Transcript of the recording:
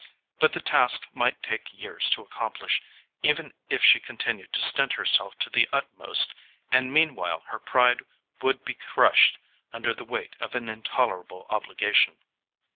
But the task might take years to accomplish, even if she continued to stint herself to the utmost; and meanwhile her pride would be crushed under the weight of an intolerable obligation.